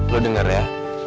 lo denger ya